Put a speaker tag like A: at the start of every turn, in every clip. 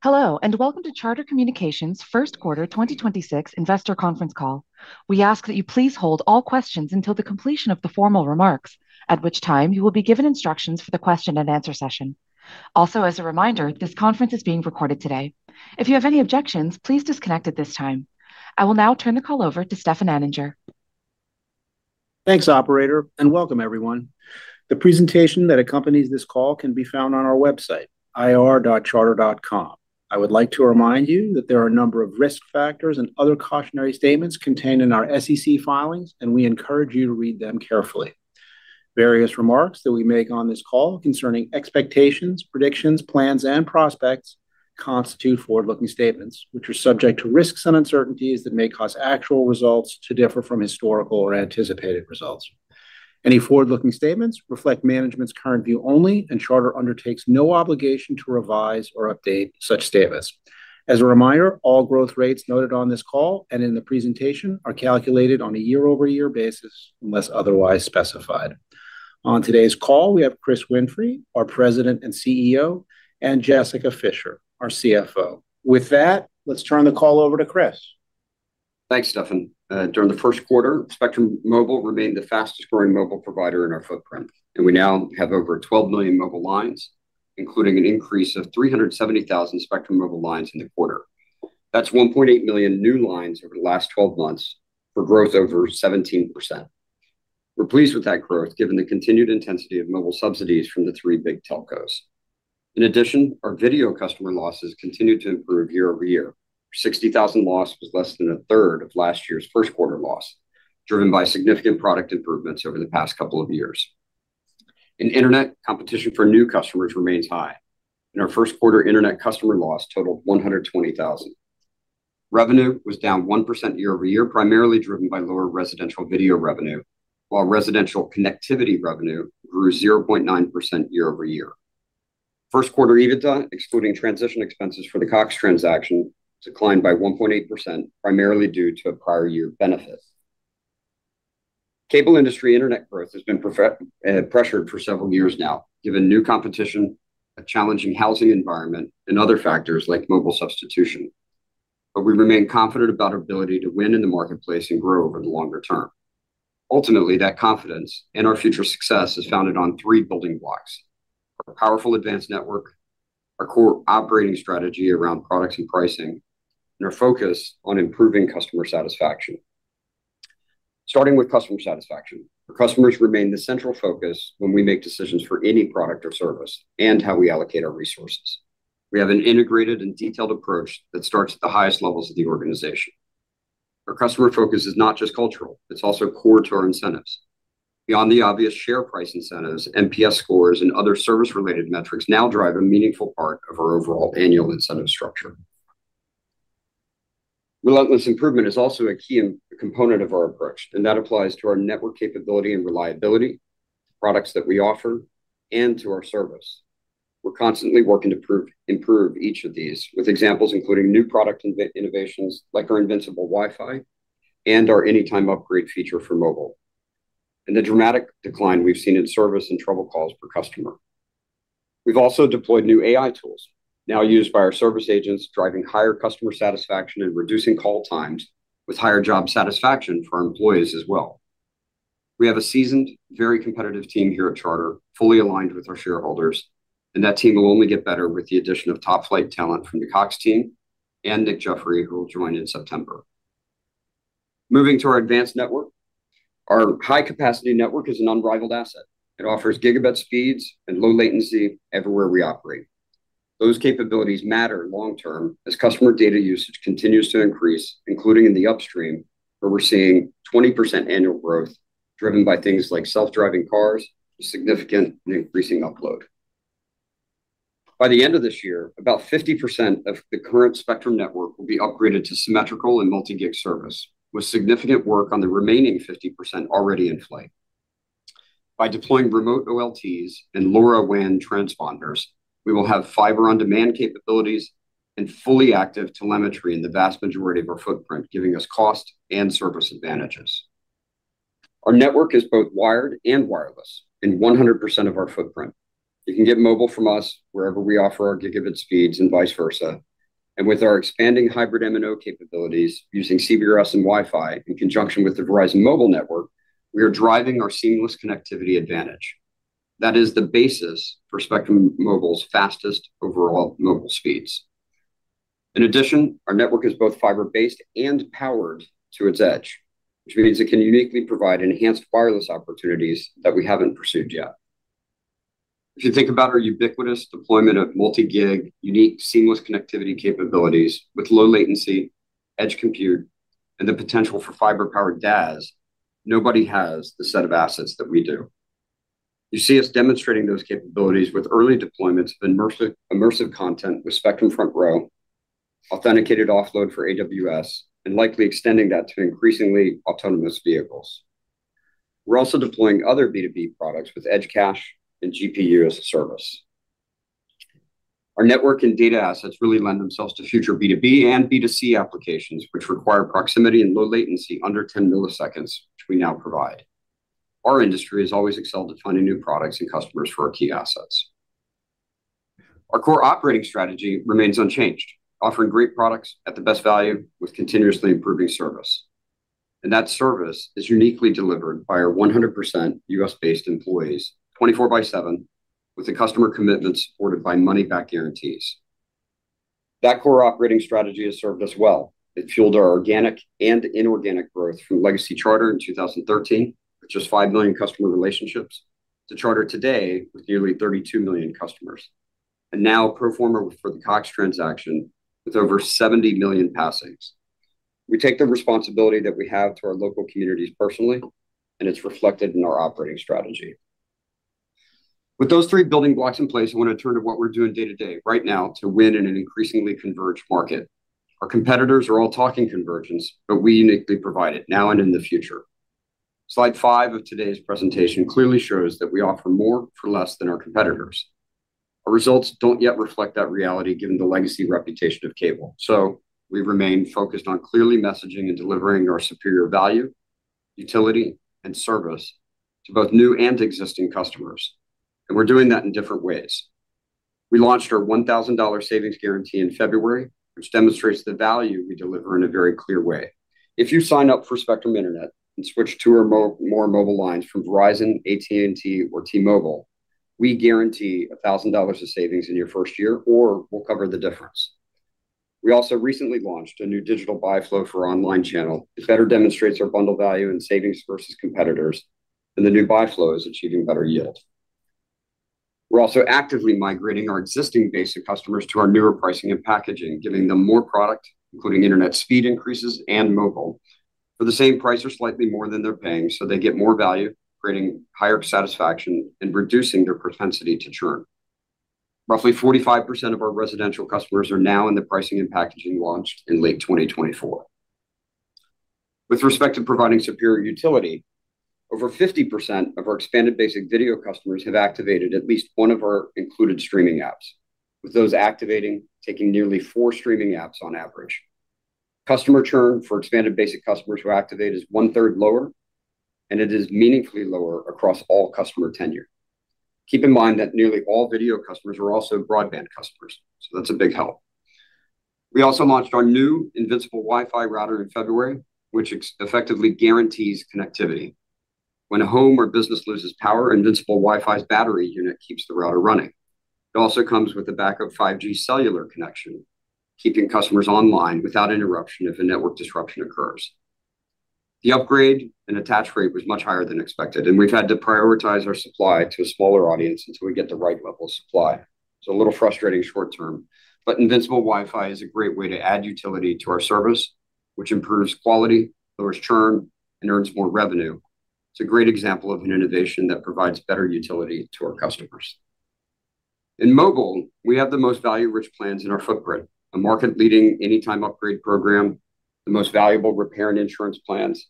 A: Hello, and welcome to Charter Communications' first quarter 2026 investor conference call. We ask that you please hold all questions until the completion of the formal remarks, at which time you will be given instructions for the question-and-answer session. Also, as a reminder, this conference is being recorded today. If you have any objections, please disconnect at this time. I will now turn the call over to Stefan Anninger.
B: Thanks, operator, and welcome everyone. The presentation that accompanies this call can be found on our website, ir.charter.com. I would like to remind you that there are a number of risk factors and other cautionary statements contained in our SEC filings, and we encourage you to read them carefully. Various remarks that we make on this call concerning expectations, predictions, plans, and prospects constitute forward-looking statements, which are subject to risks and uncertainties that may cause actual results to differ from historical or anticipated results. Any forward-looking statements reflect management's current view only, and Charter undertakes no obligation to revise or update such statements. As a reminder, all growth rates noted on this call and in the presentation are calculated on a year-over-year basis unless otherwise specified. On today's call, we have Chris Winfrey, our President and CEO, and Jessica Fischer, our CFO. With that, let's turn the call over to Chris.
C: Thanks, Stefan. During the first quarter, Spectrum Mobile remained the fastest growing mobile provider in our footprint, and we now have over 12 million mobile lines, including an increase of 370,000 Spectrum Mobile lines in the quarter. That's 1.8 million new lines over the last 12 months for growth over 17%. We're pleased with that growth given the continued intensity of mobile subsidies from the three big telcos. In addition, our video customer losses continued to improve year-over-year. A 60,000 loss was less than a 1/3 of last year's first quarter loss, driven by significant product improvements over the past couple of years. In Internet, competition for new customers remains high, and our first quarter Internet customer loss totaled 120,000. Revenue was down 1% year-over-year, primarily driven by lower residential video revenue, while residential connectivity revenue grew 0.9% year-over-year. First quarter EBITDA, excluding transition expenses for the Cox transaction, declined by 1.8%, primarily due to a prior year benefit. Cable industry Internet growth has been pressured for several years now, given new competition, a challenging housing environment, and other factors like mobile substitution. We remain confident about our ability to win in the marketplace and grow over the longer term. Ultimately, that confidence and our future success is founded on three building blocks: our powerful advanced network, our core operating strategy around products and pricing, and our focus on improving customer satisfaction. Starting with customer satisfaction, our customers remain the central focus when we make decisions for any product or service and how we allocate our resources. We have an integrated and detailed approach that starts at the highest levels of the organization. Our customer focus is not just cultural, it's also core to our incentives. Beyond the obvious share price incentives, NPS scores and other service-related metrics now drive a meaningful part of our overall annual incentive structure. Relentless improvement is also a key component of our approach, and that applies to our network capability and reliability, products that we offer, and to our service. We're constantly working to improve each of these, with examples including new product innovations like our Invincible WiFi and our Anytime Upgrade feature for Mobile, and the dramatic decline we've seen in service and trouble calls per customer. We've also deployed new AI tools now used by our service agents, driving higher customer satisfaction and reducing call times with higher job satisfaction for our employees as well. We have a seasoned, very competitive team here at Charter, fully aligned with our shareholders, and that team will only get better with the addition of top-flight talent from the Cox team and Nick Jeffery, who will join in September. Moving to our Advanced network, our high-capacity network is an unrivaled asset. It offers gigabit speeds and low latency everywhere we operate. Those capabilities matter long term as customer data usage continues to increase, including in the upstream, where we're seeing 20% annual growth driven by things like self-driving cars, a significant and increasing upload. By the end of this year, about 50% of the current Spectrum network will be upgraded to symmetrical and multi-gig service, with significant work on the remaining 50% already in play. By deploying remote OLTs and LoRaWAN transponders, we will have fiber on-demand capabilities and fully-active telemetry in the vast majority of our footprint, giving us cost and service advantages. Our network is both wired and wireless in 100% of our footprint. You can get mobile from us wherever we offer our gigabit speeds and vice versa. With our expanding hybrid MNO capabilities using CBRS and Wi-Fi in conjunction with the Verizon mobile network, we are driving our seamless connectivity advantage. That is the basis for Spectrum Mobile's fastest overall mobile speeds. In addition, our network is both fiber-based and powered to its edge, which means it can uniquely provide enhanced wireless opportunities that we haven't pursued yet. If you think about our ubiquitous deployment of multi-gig, unique seamless connectivity capabilities with low latency, edge compute, and the potential for fiber power DAS, nobody has the set of assets that we do. You see us demonstrating those capabilities with early deployments of immersive content with Spectrum Front Row, authenticated offload for AWS, and likely extending that to increasingly autonomous vehicles. We're also deploying other B2B products with Edge Cache and GPU as a service. Our network and data assets really lend themselves to future B2B and B2C applications, which require proximity and low latency under 10 ms, which we now provide. Our industry has always excelled at finding new products and customers for our key assets. Our core operating strategy remains unchanged, offering great products at the best value with continuously improving service. That service is uniquely delivered by our 100% U.S.-based employees, 24/7, with a customer commitment supported by money-back guarantees. That core operating strategy has served us well. It fueled our organic and inorganic growth from Legacy Charter in 2013, with just 5 million customer relationships, to Charter today, with nearly 32 million customers. Now pro forma for the Cox transaction, with over 70 million passings. We take the responsibility that we have to our local communities personally, and it's reflected in our operating strategy. With those three building blocks in place, I want to turn to what we're doing day to day right now to win in an increasingly converged market. Our competitors are all talking convergence, but we uniquely provide it now and in the future. Slide five of today's presentation clearly shows that we offer more for less than our competitors. Our results don't yet reflect that reality, given the legacy reputation of cable, so we remain focused on clearly messaging and delivering our superior value, utility, and service to both new and existing customers, and we're doing that in different ways. We launched our $1,000 savings guarantee in February, which demonstrates the value we deliver in a very clear way. If you sign up for Spectrum Internet and switch two or more mobile lines from Verizon, AT&T, or T-Mobile, we guarantee $1,000 of savings in your first year, or we'll cover the difference. We also recently launched a new digital buy flow for our online channel. It better demonstrates our bundle value and savings versus competitors, and the new buy flow is achieving better yield. We're also actively migrating our existing basic customers to our newer pricing and packaging, giving them more product, including Internet speed increases and mobile, for the same price or slightly more than they're paying, so they get more value, creating higher satisfaction and reducing their propensity to churn. Roughly 45% of our residential customers are now in the pricing and packaging launched in late 2024. With respect to providing superior utility, over 50% of our expanded basic video customers have activated at least one of our included streaming apps, with those activating taking nearly four streaming apps on average. Customer churn for expanded basic customers who activate is 1/3 lower, and it is meaningfully lower across all customer tenure. Keep in mind that nearly all video customers are also broadband customers, so that's a big help. We also launched our new Invincible WiFi router in February, which effectively guarantees connectivity. When a home or business loses power, Invincible WiFi's battery unit keeps the router running. It also comes with a backup 5G cellular connection, keeping customers online without interruption if a network disruption occurs. The upgrade and attach rate was much higher than expected, and we've had to prioritize our supply to a smaller audience until we get the right level of supply. It's a little frustrating short term, but Invincible WiFi is a great way to add utility to our service, which improves quality, lowers churn, and earns more revenue. It's a great example of an innovation that provides better utility to our customers. In Mobile, we have the most value-rich plans in our footprint, a market-leading anytime upgrade program, the most valuable repair and insurance plans,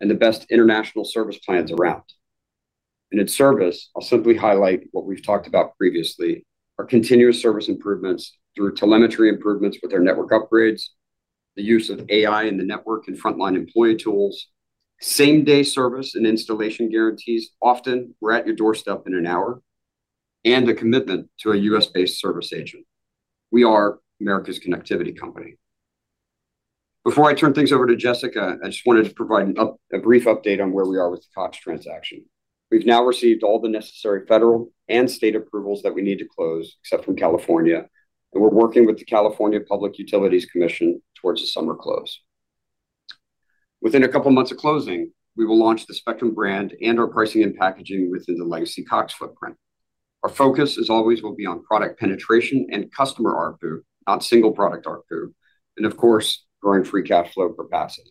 C: and the best international service plans around. In Service, I'll simply highlight what we've talked about previously, our continuous service improvements through telemetry improvements with our network upgrades, the use of AI in the network and frontline employee tools, same-day service and installation guarantees, often we're at your doorstep in an hour, and a commitment to a U.S.-based service agent. We are America's connectivity company. Before I turn things over to Jessica, I just wanted to provide a brief update on where we are with the Cox transaction. We've now received all the necessary federal and state approvals that we need to close, except from California, and we're working with the California Public Utilities Commission towards a summer close. Within a couple of months of closing, we will launch the Spectrum brand and our pricing and packaging within the Legacy Cox footprint. Our focus, as always, will be on product penetration and customer ARPU, not single product ARPU, and of course, growing free cash flow per passing.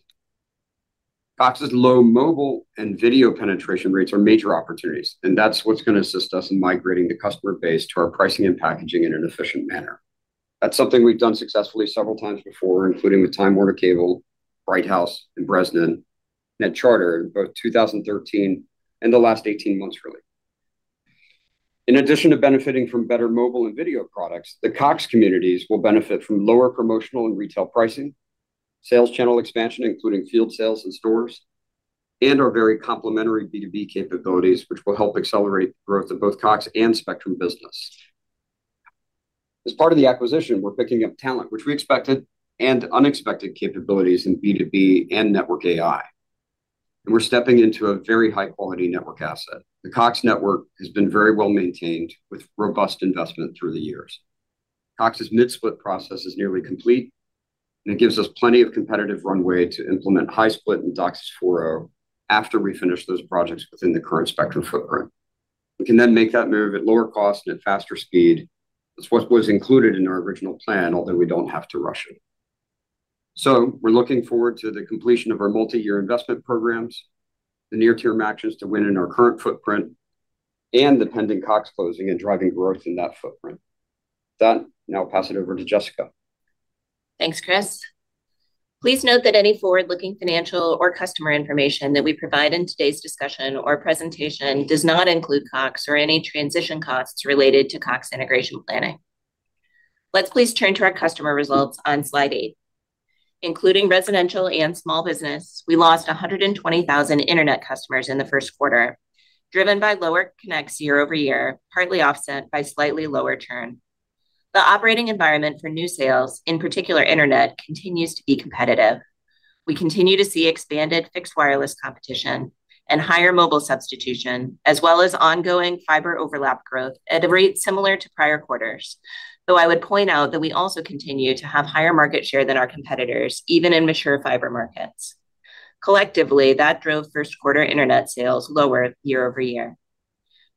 C: Cox's low mobile and video penetration rates are major opportunities, and that's what's going to assist us in migrating the customer base to our pricing and packaging in an efficient manner. That's something we've done successfully several times before, including with Time Warner Cable, Bright House, and Bresnan, NetCharter in both 2013 and the last 18 months, really. In addition to benefiting from better mobile and video products, the Cox communities will benefit from lower promotional and retail pricing, sales channel expansion, including field sales and stores, and our very complementary B2B capabilities, which will help accelerate the growth of both Cox and Spectrum Business. As part of the acquisition, we're picking up talent, which we expected, and unexpected capabilities in B2B and network AI. We're stepping into a very high-quality network asset. The Cox network has been very well-maintained with robust investment through the years. Cox's mid-split process is nearly complete, and it gives us plenty of competitive runway to implement high-split and DOCSIS 4.0 after we finish those projects within the current Spectrum footprint. We can then make that move at lower cost and at faster speed. That's what was included in our original plan, although we don't have to rush it. We're looking forward to the completion of our multi-year investment programs, the near-term actions to win in our current footprint, and the pending Cox closing and driving growth in that footprint. With that, now I'll pass it over to Jessica.
D: Thanks, Chris. Please note that any forward-looking financial or customer information that we provide in today's discussion or presentation does not include Cox or any transition costs related to Cox integration planning. Let's please turn to our customer results on slide eight. Including residential and small business, we lost 120,000 Internet customers in the first quarter, driven by lower connects year-over-year, partly offset by slightly lower churn. The operating environment for new sales, in particular Internet, continues to be competitive. We continue to see expanded fixed wireless competition and higher mobile substitution, as well as ongoing fiber overlap growth at a rate similar to prior quarters. Though I would point out that we also continue to have higher market share than our competitors, even in mature fiber markets. Collectively, that drove first quarter Internet sales lower year-over-year.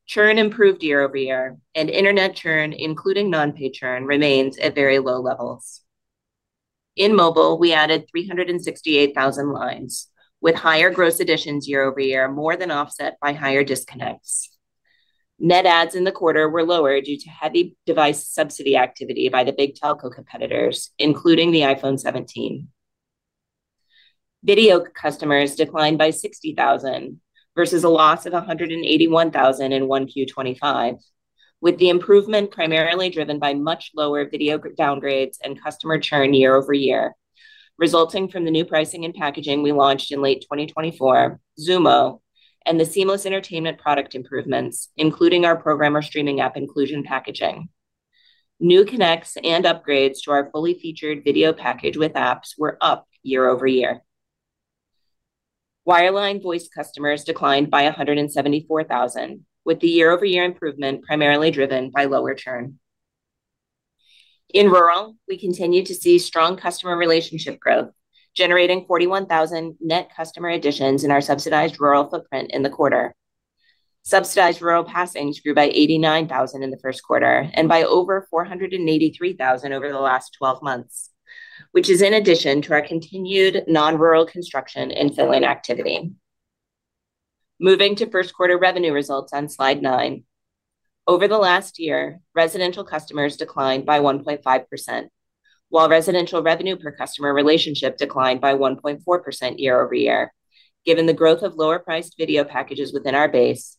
D: Churn improved year-over-year, and Internet churn, including non-pay churn, remains at very low levels. In Mobile, we added 368,000 lines, with higher gross additions year-over-year, more than offset by higher disconnects. Net adds in the quarter were lower due to heavy device subsidy activity by the big telco competitors, including the iPhone 17. Video customers declined by 60,000 versus a loss of 181,000 in 1Q 2025, with the improvement primarily driven by much lower video downgrades and customer churn year-over-year, resulting from the new pricing and packaging we launched in late 2024, Xumo, and the seamless entertainment product improvements, including our programmer streaming app inclusion packaging. New connects and upgrades to our fully featured video package with apps were up year-over-year. Wireline voice customers declined by 174,000, with the year-over-year improvement primarily driven by lower churn. In rural, we continue to see strong customer relationship growth, generating 41,000 net customer additions in our subsidized rural footprint in the quarter. Subsidized rural passings grew by 89,000 in the first quarter, and by over 483,000 over the last 12 months, which is in addition to our continued non-rural construction and fill-in activity. Moving to first quarter revenue results on slide nine. Over the last year, residential customers declined by 1.5%, while residential revenue per customer relationship declined by 1.4% year-over-year, given the growth of lower priced video packages within our base,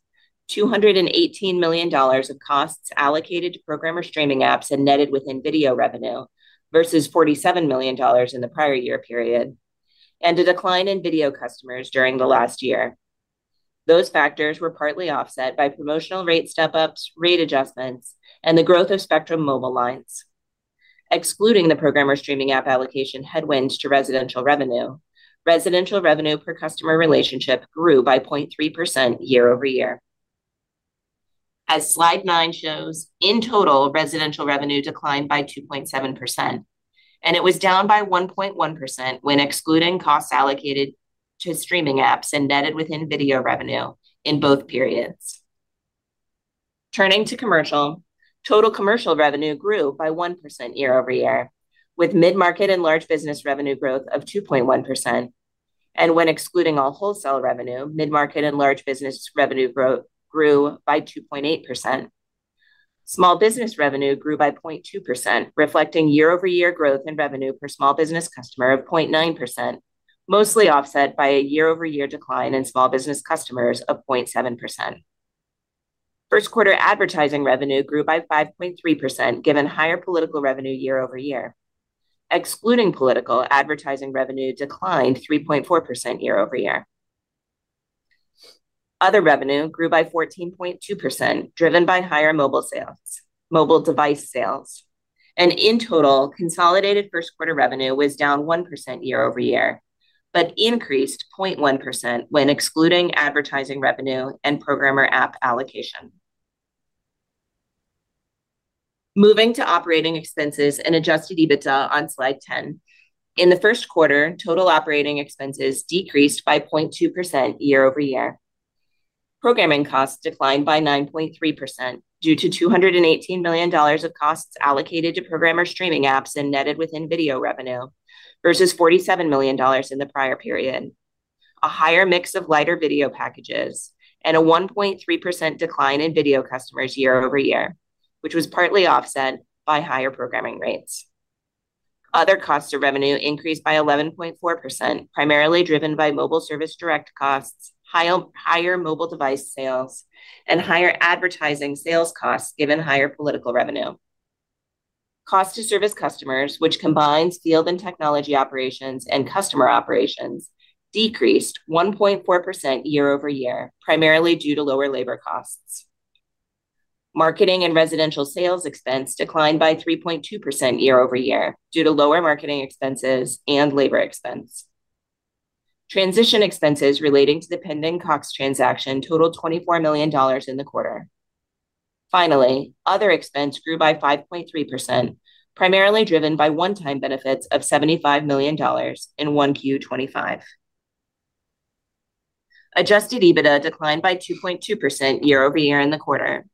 D: $218 million of costs allocated to programmer streaming apps and netted within video revenue, versus $47 million in the prior year period, and a decline in video customers during the last year. Those factors were partly offset by promotional rate step-ups, rate adjustments, and the growth of Spectrum Mobile lines. Excluding the programmer streaming app allocation headwinds to residential revenue, residential revenue per customer relationship grew by 0.3% year-over-year. As slide nine shows, in total, residential revenue declined by 2.7%, and it was down by 1.1% when excluding costs allocated to streaming apps and netted within video revenue in both periods. Turning to commercial, total commercial revenue grew by 1% year-over-year, with mid-market and large business revenue growth of 2.1%. When excluding all wholesale revenue, mid-market and large business revenue grew by 2.8%. Small business revenue grew by 0.2%, reflecting year-over-year growth in revenue per small business customer of 0.9%, mostly offset by a year-over-year decline in small business customers of 0.7%. First quarter advertising revenue grew by 5.3% given higher political revenue year-over-year. Excluding political, advertising revenue declined 3.4% year-over-year. Other revenue grew by 14.2%, driven by higher mobile device sales. In total, consolidated first quarter revenue was down 1% year-over-year, but increased 0.1% when excluding advertising revenue and programmer app allocation. Moving to operating expenses and adjusted EBITDA on slide 10. In the first quarter, total operating expenses decreased by 0.2% year-over-year. Programming costs declined by 9.3% due to $218 million of costs allocated to programmer streaming apps and netted within video revenue, versus $47 million in the prior period, a higher mix of lighter video packages and a 1.3% decline in video customers year-over-year, which was partly offset by higher programming rates. Other costs of revenue increased by 11.4%, primarily driven by mobile service direct costs, higher mobile device sales, and higher advertising sales costs given higher political revenue. Cost to service customers, which combines field and technology operations and customer operations, decreased 1.4% year-over-year, primarily due to lower labor costs. Marketing and residential sales expense declined by 3.2% year-over-year due to lower marketing expenses and labor expense. Transition expenses relating to the pending Cox transaction totaled $24 million in the quarter. Finally, other expense grew by 5.3%, primarily driven by one-time benefits of $75 million in 1Q 2025. Adjusted EBITDA declined by 2.2% year-over-year in the quarter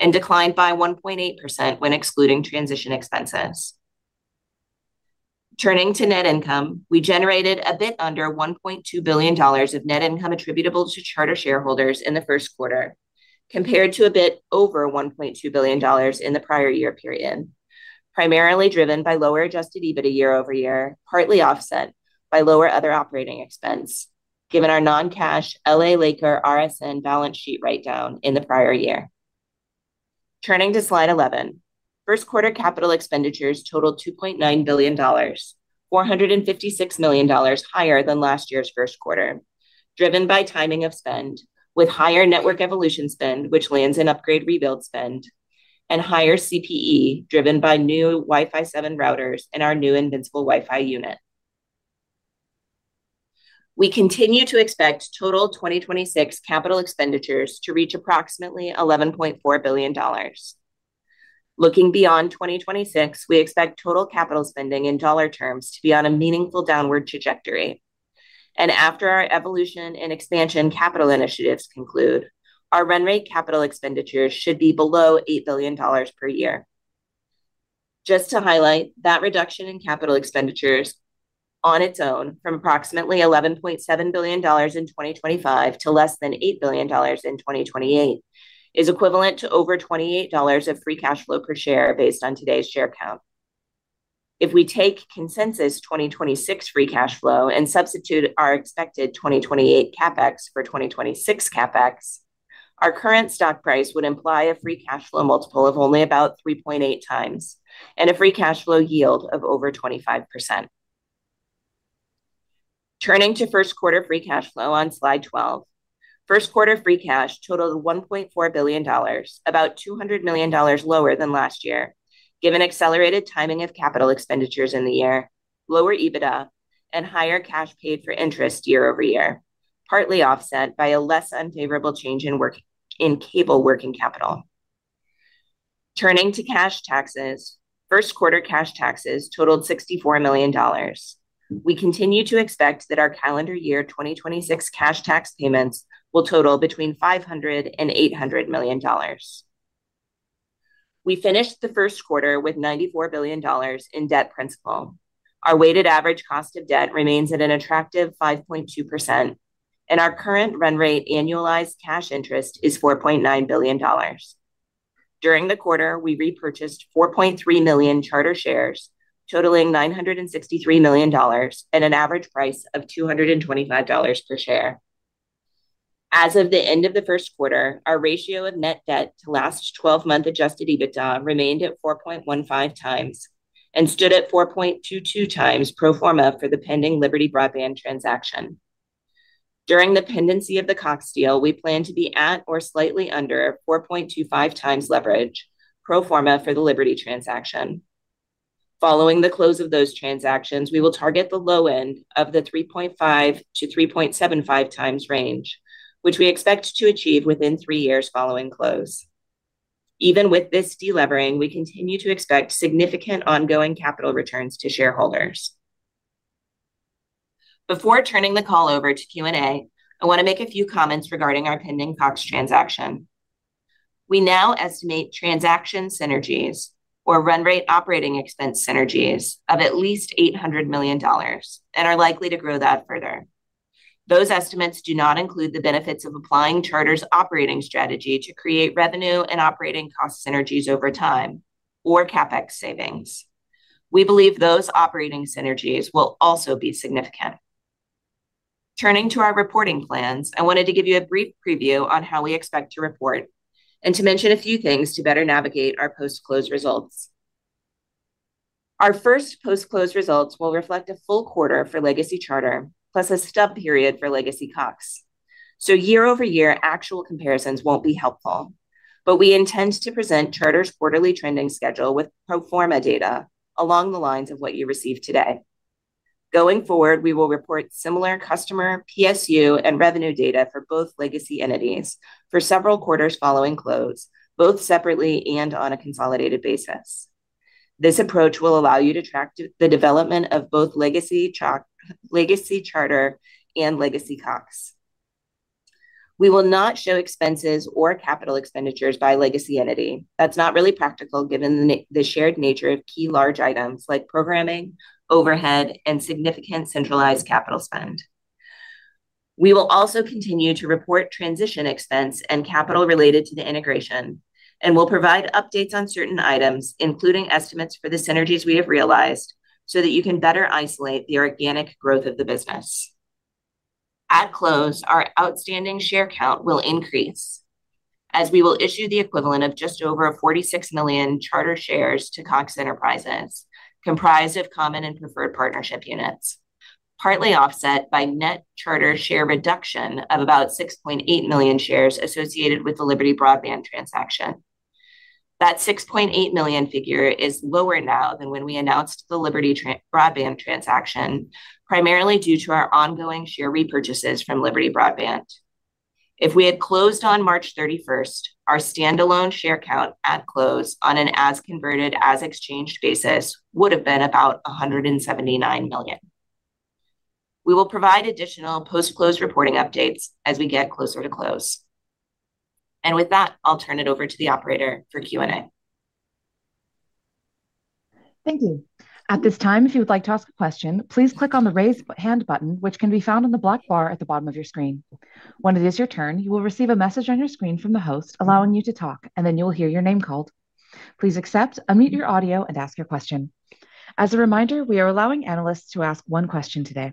D: and declined by 1.8% when excluding transition expenses. Turning to net income, we generated a bit under $1.2 billion of net income attributable to Charter shareholders in the first quarter, compared to a bit over $1.2 billion in the prior year period, primarily driven by lower adjusted EBITDA year-over-year, partly offset by lower other operating expense given our non-cash LA Lakers RSN balance sheet write-down in the prior year. Turning to slide 11. First quarter capital expenditures totaled $2.9 billion, $456 million higher than last year's first quarter, driven by timing of spend with higher network evolution spend, which lands in upgrade rebuild spend, and higher CPE driven by new Wi-Fi 7 routers and our new Invincible WiFi unit. We continue to expect total 2026 capital expenditures to reach approximately $11.4 billion. Looking beyond 2026, we expect total capital spending in dollar terms to be on a meaningful downward trajectory. After our evolution and expansion capital initiatives conclude, our run rate capital expenditures should be below $8 billion per year. Just to highlight, that reduction in capital expenditures on its own from approximately $11.7 billion in 2025 to less than $8 billion in 2028, is equivalent to over $28 of free cash flow per share based on today's share count. If we take consensus 2026 free cash flow and substitute our expected 2028 CapEx for 2026 CapEx, our current stock price would imply a free cash flow multiple of only about 3.8x and a free cash flow yield of over 25%. Turning to first quarter free cash flow on slide 12. First quarter free cash totaled $1.4 billion, about $200 million lower than last year given accelerated timing of capital expenditures in the year, lower EBITDA, and higher cash paid for interest year-over-year, partly offset by a less unfavorable change in cable working capital. Turning to cash taxes. First quarter cash taxes totaled $64 million. We continue to expect that our calendar year 2026 cash tax payments will total between $500 million-$800 million. We finished the first quarter with $94 billion in debt principal. Our weighted average cost of debt remains at an attractive 5.2%, and our current run rate annualized cash interest is $4.9 billion. During the quarter, we repurchased 4.3 million Charter shares, totaling $963 million at an average price of $225 per share. As of the end of the first quarter, our ratio of net debt to last 12-month adjusted EBITDA remained at 4.15x and stood at 4.22x pro forma for the pending Liberty Broadband transaction. During the pendency of the Cox deal, we plan to be at or slightly under 4.25x leverage pro forma for the Liberty transaction. Following the close of those transactions, we will target the low end of the 3.5x-3.75x range, which we expect to achieve within three years following close. Even with this delevering, we continue to expect significant ongoing capital returns to shareholders. Before turning the call over to Q&A, I want to make a few comments regarding our pending Cox transaction. We now estimate transaction synergies or run rate operating expense synergies of at least $800 million and are likely to grow that further. Those estimates do not include the benefits of applying Charter's operating strategy to create revenue and operating cost synergies over time or CapEx savings. We believe those operating synergies will also be significant. Turning to our reporting plans, I wanted to give you a brief preview on how we expect to report and to mention a few things to better navigate our post-close results. Our first post-close results will reflect a full quarter for Legacy Charter, plus a stub period for Legacy Cox. Year-over-year, actual comparisons won't be helpful, but we intend to present Charter's quarterly trending schedule with pro forma data along the lines of what you received today. Going forward, we will report similar customer PSU and revenue data for both legacy entities for several quarters following close, both separately and on a consolidated basis. This approach will allow you to track the development of both Legacy Charter and Legacy Cox. We will not show expenses or capital expenditures by legacy entity. That's not really practical given the shared nature of key large items like programming, overhead, and significant centralized capital spend. We will also continue to report transition expense and capital related to the integration and will provide updates on certain items, including estimates for the synergies we have realized, so that you can better isolate the organic growth of the business. At close, our outstanding share count will increase as we will issue the equivalent of just over 46 million Charter shares to Cox Enterprises, comprised of common and preferred partnership units, partly offset by net Charter share reduction of about 6.8 million shares associated with the Liberty Broadband transaction. That 6.8 million figure is lower now than when we announced the Liberty Broadband transaction, primarily due to our ongoing share repurchases from Liberty Broadband. If we had closed on March 31st, our stand-alone share count at close on an as converted, as exchanged basis would have been about 179 million. We will provide additional post-close reporting updates as we get closer to close. With that, I'll turn it over to the operator for Q&A.
A: Thank you. At this time, if you would like to ask a question, please click on the Raise Hand button, which can be found on the black bar at the bottom of your screen. When it is your turn, you will receive a message on your screen from the host allowing you to talk, and then you will hear your name called. Please accept, unmute your audio, and ask your question. As a reminder, we are allowing analysts to ask one question today.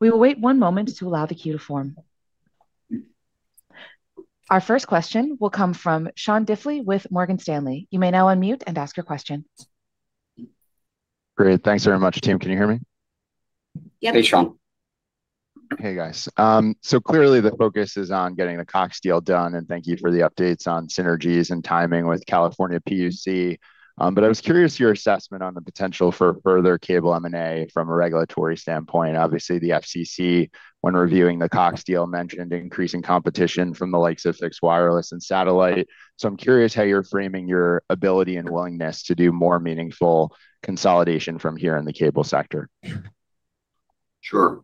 A: We will wait one moment to allow the queue to form. Our first question will come from Sean Diffley with Morgan Stanley. You may now unmute and ask your question.
E: Great. Thanks very much, team. Can you hear me?
A: Yep.
C: Hey, Sean.
E: Hey, guys. Clearly the focus is on getting the Cox deal done, and thank you for the updates on synergies and timing with California PUC. I was curious your assessment on the potential for further cable M&A from a regulatory standpoint. Obviously, the FCC, when reviewing the Cox deal, mentioned increasing competition from the likes of fixed wireless and satellite. I'm curious how you're framing your ability and willingness to do more meaningful consolidation from here in the cable sector.
C: Sure.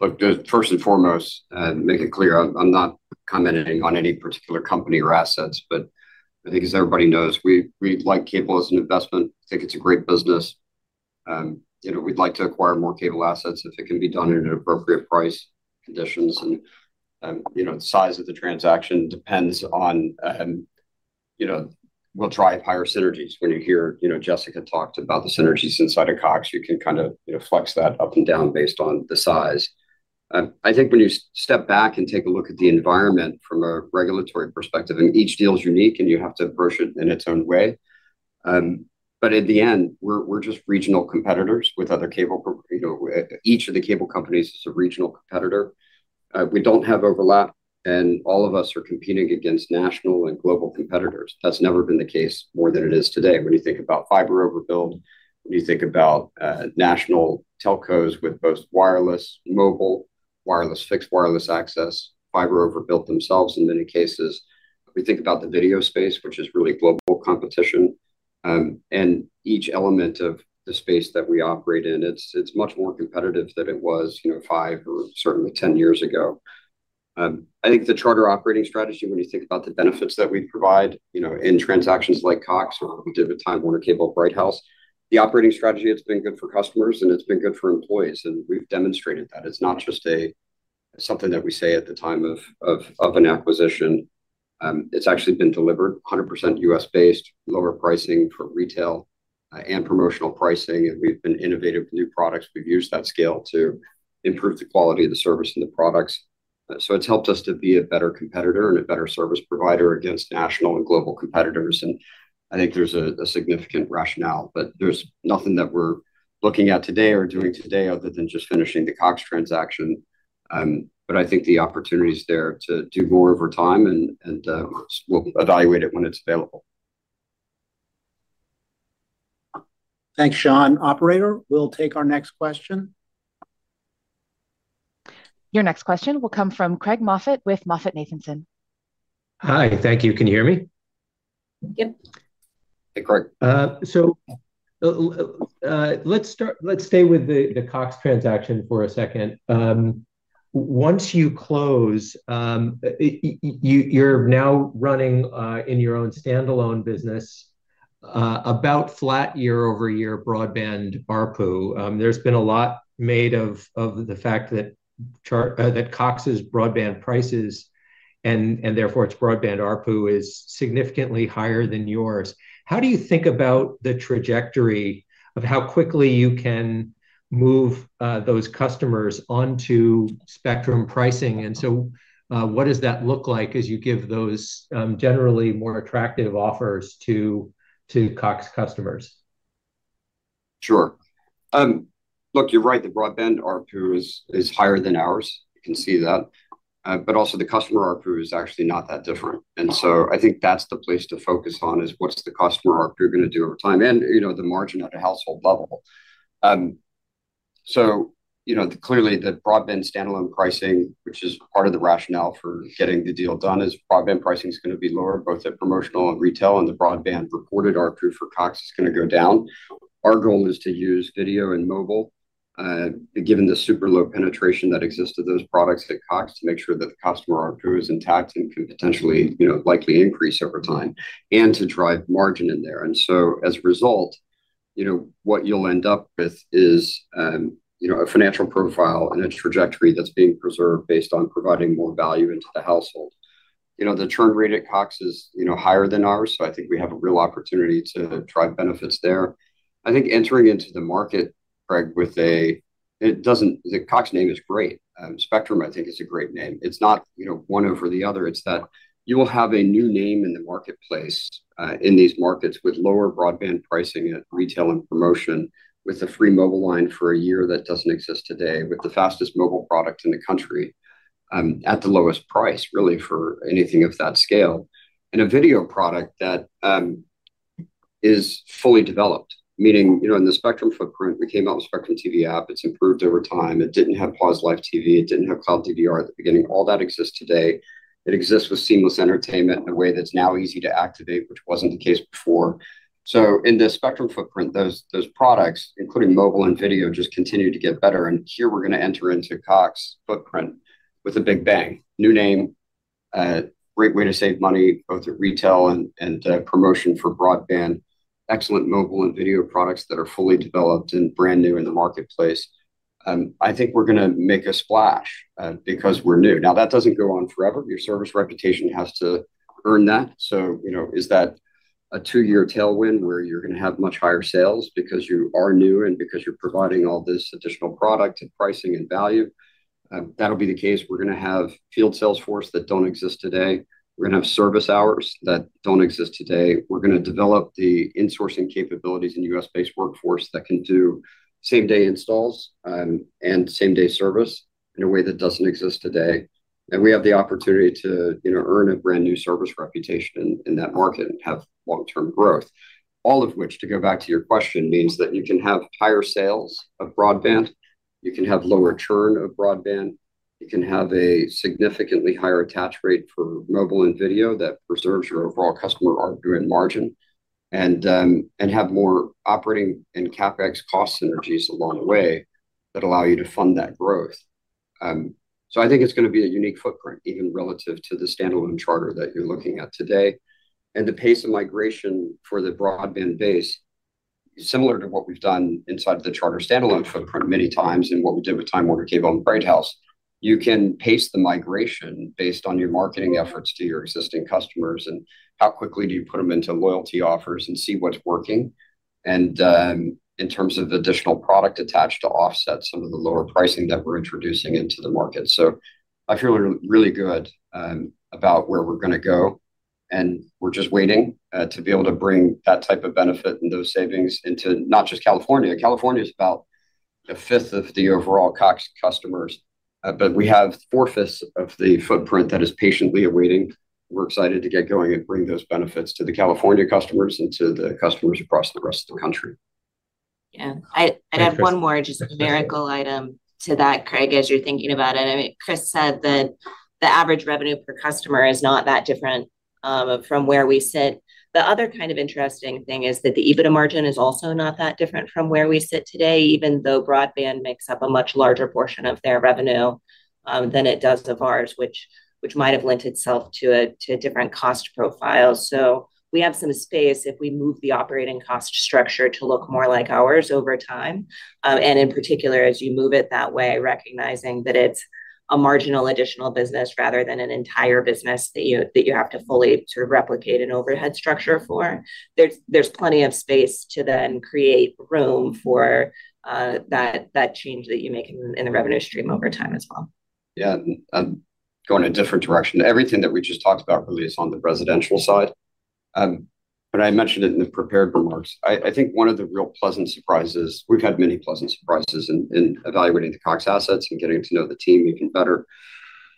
C: Look, first and foremost, make it clear, I'm not commenting on any particular company or assets. I think as everybody knows, we like cable as an investment. I think it's a great business. We'd like to acquire more cable assets if it can be done at an appropriate price, conditions, and the size of the transaction depends on. We'll drive higher synergies. When you hear Jessica talked about the synergies inside of Cox, you can kind of flex that up and down based on the size. I think when you step back and take a look at the environment from a regulatory perspective, and each deal is unique and you have to approach it in its own way, but at the end, we're just regional competitors with other cable companies. Each of the cable companies is a regional competitor. We don't have overlap, and all of us are competing against national and global competitors. That's never been the case more than it is today. When you think about fiber overbuild, when you think about national telcos with both wireless mobile, wireless fixed, wireless access, fiber overbuilt themselves in many cases. If we think about the video space, which is really global competition, and each element of the space that we operate in, it's much more competitive than it was five or certainly 10 years ago. I think the Charter operating strategy, when you think about the benefits that we provide in transactions like Cox or we did with Time Warner Cable, Bright House, the operating strategy, it's been good for customers and it's been good for employees, and we've demonstrated that. It's not just something that we say at the time of an acquisition. It's actually been delivered 100% US-based, lower pricing for retail and promotional pricing, and we've been innovative with new products. We've used that scale to improve the quality of the service and the products. It's helped us to be a better competitor and a better service provider against national and global competitors, and I think there's a significant rationale. There's nothing that we're looking at today or doing today other than just finishing the Cox transaction. I think the opportunity is there to do more over time and we'll evaluate it when it's available.
B: Thanks, Sean. Operator, we'll take our next question.
A: Your next question will come from Craig Moffett with MoffettNathanson.
F: Hi. Thank you. Can you hear me?
A: Yep.
C: Hey, Craig.
F: Let's stay with the Cox transaction for a second. Once you close, you're now running in your own standalone business, about flat year-over-year broadband ARPU. There's been a lot made of the fact that Cox's broadband prices and therefore its broadband ARPU is significantly higher than yours. How do you think about the trajectory of how quickly you can move those customers onto Spectrum pricing? What does that look like as you give those generally more attractive offers to Cox customers?
C: Sure. Look, you're right, the broadband ARPU is higher than ours. You can see that. Also the customer ARPU is actually not that different. I think that's the place to focus on, is what's the customer ARPU going to do over time and the margin at a household level. Clearly the broadband standalone pricing, which is part of the rationale for getting the deal done, is going to be lower both at promotional and retail, and the broadband reported ARPU for Cox is going to go down. Our goal is to use video and mobile, given the super low penetration that exists of those products at Cox, to make sure that the customer ARPU is intact and could potentially, likely increase over time and to drive margin in there. As a result, what you'll end up with is a financial profile and a trajectory that's being preserved based on providing more value into the household. The churn rate at Cox is higher than ours, so I think we have a real opportunity to drive benefits there. I think entering into the market, Craig. The Cox name is great. Spectrum, I think, is a great name. It's not one over the other. It's that you will have a new name in the marketplace, in these markets with lower broadband pricing at retail and promotion, with a free mobile line for a year that doesn't exist today, with the fastest mobile product in the country, at the lowest price, really, for anything of that scale. A video product that is fully developed, meaning in the Spectrum footprint, we came out with Spectrum TV app. It's improved over time. It didn't have pause live TV. It didn't have Cloud DVR at the beginning. All that exists today. It exists with seamless entertainment in a way that's now easy to activate, which wasn't the case before. In the Spectrum footprint, those products, including mobile and video, just continue to get better. Here we're going to enter into Cox footprint with a big bang. New name, a great way to save money, both at retail and promotion for broadband. Excellent mobile and video products that are fully developed and brand new in the marketplace. I think we're going to make a splash because we're new. Now, that doesn't go on forever. Your service reputation has to earn that. Is that a two-year tailwind where you're going to have much higher sales because you are new and because you're providing all this additional product and pricing and value? That'll be the case. We're going to have field sales force that don't exist today. We're going to have service hours that don't exist today. We're going to develop the insourcing capabilities and U.S.-based workforce that can do same-day installs and same-day service in a way that doesn't exist today. We have the opportunity to earn a brand-new service reputation in that market and have long-term growth. All of which, to go back to your question, means that you can have higher sales of broadband, you can have lower churn of broadband, you can have a significantly higher attach rate for mobile and video that preserves your overall customer ARPU and margin, and have more operating and CapEx cost synergies along the way that allow you to fund that growth. I think it's going to be a unique footprint, even relative to the standalone Charter that you're looking at today. The pace of migration for the broadband base, similar to what we've done inside the Charter standalone footprint many times and what we did with Time Warner Cable and Bright House, you can pace the migration based on your marketing efforts to your existing customers, and how quickly do you put them into loyalty offers and see what's working, and in terms of additional product attached to offset some of the lower pricing that we're introducing into the market. I feel really good about where we're going to go, and we're just waiting to be able to bring that type of benefit and those savings into not just California. California is about a fifth of the overall Cox customers, but we have 4/5 of the footprint that is patiently awaiting. We're excited to get going and bring those benefits to the California customers and to the customers across the rest of the country.
D: Yeah. I'd have one more just numerical item to that, Craig, as you're thinking about it. I mean, Chris said that the average revenue per customer is not that different from where we sit. The other kind of interesting thing is that the EBITDA margin is also not that different from where we sit today, even though broadband makes up a much larger portion of their revenue, than it does of ours, which might have lent itself to a different cost profile. We have some space if we move the operating cost structure to look more like ours over time. In particular, as you move it that way, recognizing that it's a marginal additional business rather than an entire business that you have to fully replicate an overhead structure for. There's plenty of space to then create room for that change that you make in the revenue stream over time as well.
C: Yeah. I'm going a different direction. Everything that we just talked about really is on the residential side, but I mentioned it in the prepared remarks. I think one of the real pleasant surprises. We've had many pleasant surprises in evaluating the Cox assets and getting to know the team even better,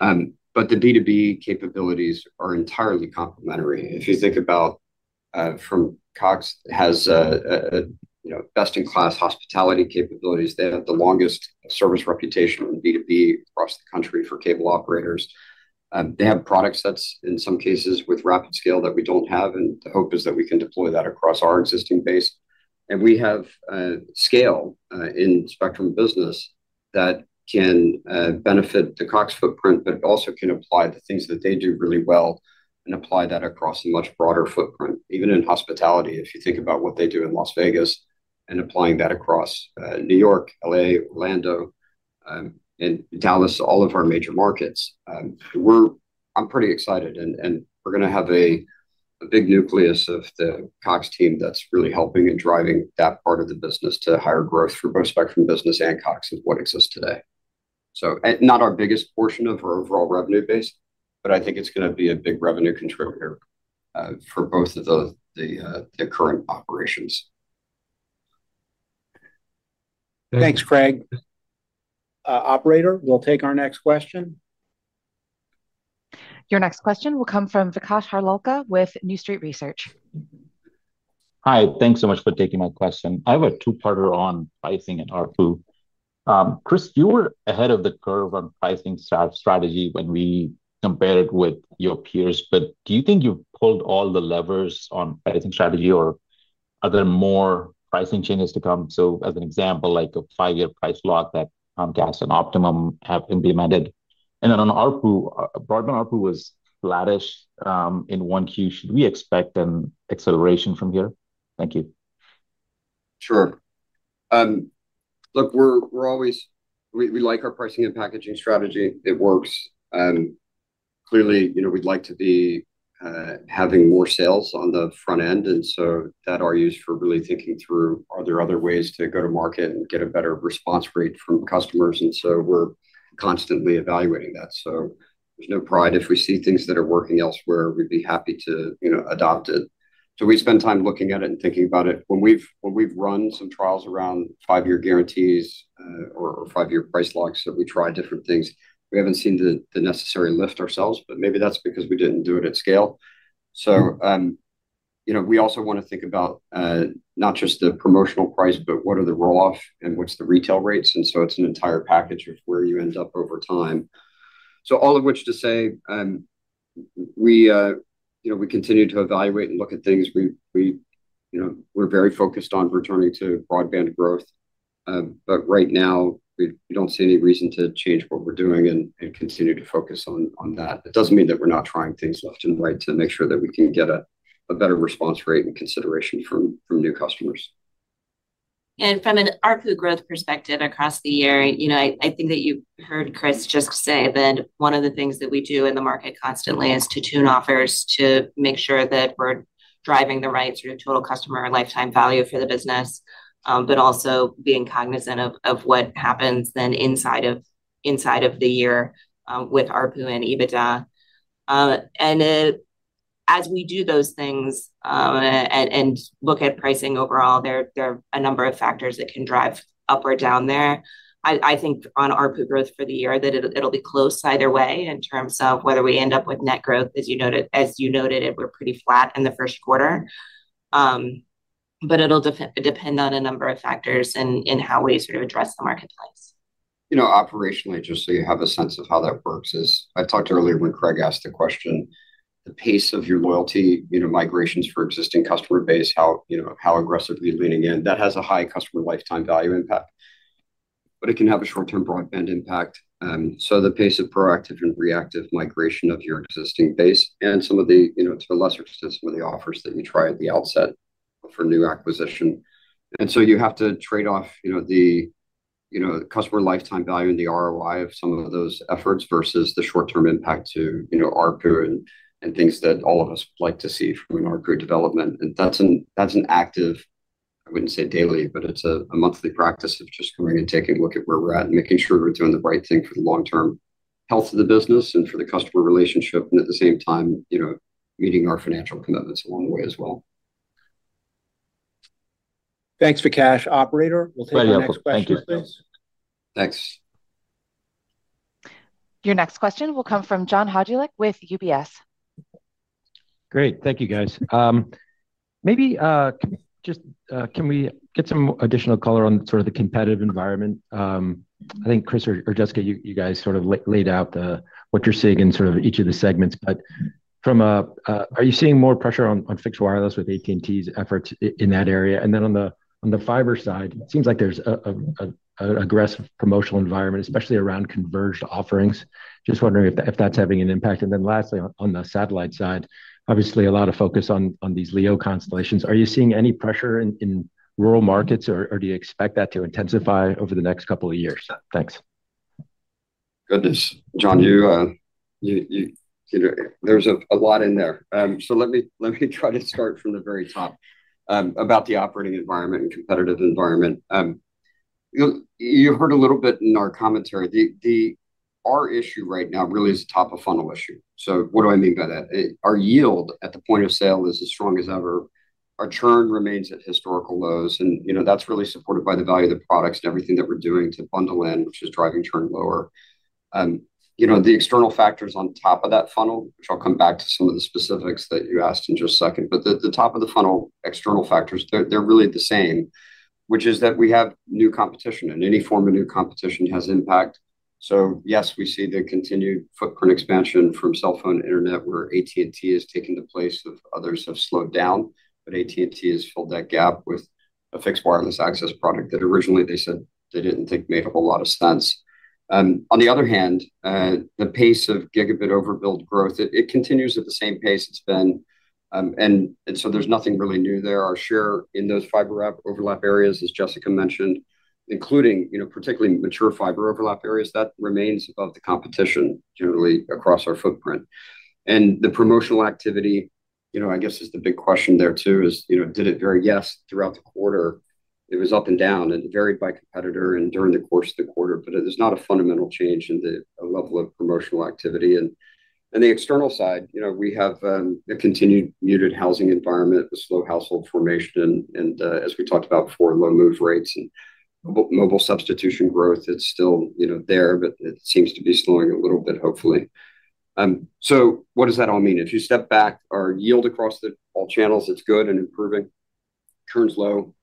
C: but the B2B capabilities are entirely complementary. If you think about, Cox has a best-in-class hospitality capabilities. They have the longest service reputation in B2B across the country for cable operators. They have product sets in some cases with rapid scale that we don't have, and the hope is that we can deploy that across our existing base. We have scale in Spectrum Business that can benefit the Cox footprint, but it also can apply the things that they do really well and apply that across a much broader footprint, even in hospitality. If you think about what they do in Las Vegas and applying that across New York, L.A., Orlando, and Dallas, all of our major markets. I'm pretty excited, and we're going to have a big nucleus of the Cox team that's really helping and driving that part of the business to higher growth for both Spectrum Business and Cox as what exists today. Not our biggest portion of our overall revenue base, but I think it's going to be a big revenue contributor for both of the current operations.
B: Thanks, Craig. Operator, we'll take our next question.
A: Your next question will come from Vikash Harlalka with New Street Research.
G: Hi. Thanks so much for taking my question. I have a two-parter on pricing and ARPU. Chris, you were ahead of the curve on pricing strategy when we compare it with your peers, but do you think you've pulled all the levers on pricing strategy, or are there more pricing changes to come? As an example, like a five-year price lock that Comcast and Optimum have implemented. Then on ARPU, broadband ARPU was flattish in 1Q. Should we expect an acceleration from here? Thank you.
C: Sure. Look, we like our pricing and packaging strategy. It works. Clearly, we'd like to be having more sales on the front end, and so that has us really thinking through, are there other ways to go to market and get a better response rate from customers? We're constantly evaluating that. There's no pride if we see things that are working elsewhere, we'd be happy to adopt it. We spend time looking at it and thinking about it. When we've run some trials around five-year guarantees or five-year price locks, we try different things, we haven't seen the necessary lift ourselves, but maybe that's because we didn't do it at scale. We also want to think about not just the promotional price, but what are the roll-off and what's the retail rates, and so it's an entire package of where you end up over time. All of which to say, we continue to evaluate and look at things. We're very focused on returning to broadband growth. Right now, we don't see any reason to change what we're doing and continue to focus on that. It doesn't mean that we're not trying things left and right to make sure that we can get a better response rate and consideration from new customers.
D: From an ARPU growth perspective across the year, I think that you heard Chris just say that one of the things that we do in the market constantly is to tune offers to make sure that we're driving the right sort of total customer lifetime value for the business, but also being cognizant of what happens then inside of the year with ARPU and EBITDA. As we do those things and look at pricing overall, there are a number of factors that can drive up or down there. I think on ARPU growth for the year, that it'll be close either way in terms of whether we end up with net growth. As you noted, we're pretty flat in the first quarter. It'll depend on a number of factors and in how we sort of address the marketplace.
C: Operationally, just so you have a sense of how that works is, I talked earlier when Craig asked the question, the pace of your loyalty migrations for existing customer base, how aggressively leaning in. That has a high customer lifetime value impact. It can have a short-term broadband impact. The pace of proactive and reactive migration of your existing base and some of the, to a lesser extent, some of the offers that you try at the outset for new acquisition. You have to trade off the customer lifetime value and the ROI of some of those efforts versus the short-term impact to ARPU and things that all of us like to see from an ARPU development. That's an active, I wouldn't say daily, but it's a monthly practice of just coming and taking a look at where we're at and making sure we're doing the right thing for the long term health of the business and for the customer relationship and at the same time, meeting our financial commitments along the way as well.
B: Thanks, Vikash. Operator, we'll take our next question please.
G: Thanks.
A: Your next question will come from John Hodulik with UBS.
H: Great. Thank you, guys. Maybe just can we get some additional color on sort of the competitive environment? I think Chris or Jessica, you guys sort of laid out what you're seeing in each of the segments. Are you seeing more pressure on fixed wireless with AT&T's efforts in that area? On the fiber side, it seems like there's an aggressive promotional environment, especially around converged offerings. Just wondering if that's having an impact. On the satellite side, obviously a lot of focus on these LEO constellations. Are you seeing any pressure in rural markets or do you expect that to intensify over the next couple of years? Thanks.
C: Goodness. John, there's a lot in there. Let me try to start from the very top about the operating environment and competitive environment. You heard a little bit in our commentary. Our issue right now really is a top of funnel issue. What do I mean by that? Our yield at the point of sale is as strong as ever. Our churn remains at historical lows, and that's really supported by the value of the products and everything that we're doing to bundle in, which is driving churn lower. The external factors on top of that funnel, which I'll come back to some of the specifics that you asked in just a second, but the top of the funnel external factors, they're really the same, which is that we have new competition, and any form of new competition has impact. Yes, we see the continued footprint expansion from cell phone Internet where AT&T has taken the place of others have slowed down, but AT&T has filled that gap with a fixed wireless access product that originally they said they didn't think made a whole lot of sense. On the other hand, the pace of gigabit overbuild growth, it continues at the same pace it's been, and so there's nothing really new there. Our share in those fiber overlap areas, as Jessica mentioned, including particularly mature fiber overlap areas, that remains above the competition generally across our footprint. The promotional activity, I guess is the big question there too, is did it vary, yes, throughout the quarter, it was up and down, and it varied by competitor and during the course of the quarter, but it is not a fundamental change in the level of promotional activity. The external side, we have a continued muted housing environment with slow household formation and as we talked about before, low move rates and mobile substitution growth. It's still there, but it seems to be slowing a little bit, hopefully. What does that all mean? If you step back, our yield across all channels, it's good and improving. Churn's low.